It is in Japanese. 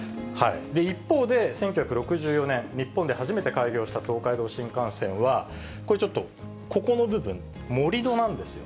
一方で１９６４年、日本で初めて開業した東海道新幹線は、これちょっと、ここの部分、盛り土なんですよ。